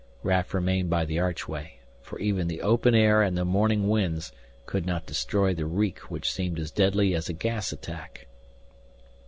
Raf remained by the archway, for even the open air and the morning winds could not destroy the reek which seemed as deadly as a gas attack.